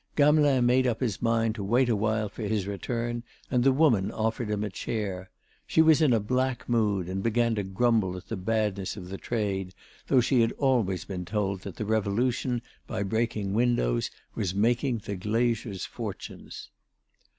Gamelin made up his mind to wait a while for his return and the woman offered him a chair. She was in a black mood and began to grumble at the badness of trade, though she had always been told that the Revolution, by breaking windows, was making the glaziers' fortunes.